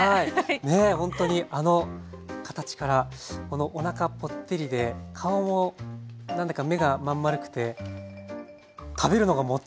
ねえほんとにあの形からおなかぽってりで顔も何だか目が真ん丸くて食べるのがもったいない感じしますね。